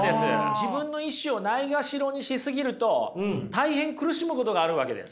自分の意志をないがしろにし過ぎると大変苦しむことがあるわけです。